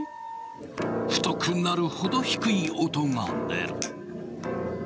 太くなるほど低い音が出る。